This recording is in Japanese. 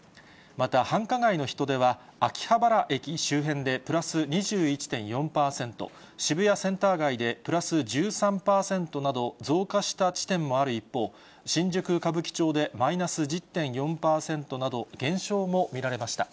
また、繁華街の人出は、秋葉原駅周辺でプラス２３．４％、渋谷センター街でプラス１３％など増加した地点もある一方、新宿・歌舞伎町でマイナス１０．４％など、減少も見られました。